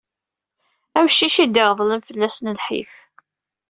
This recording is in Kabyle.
Amcic i d-iɣeḍlen fell-assen lḥif.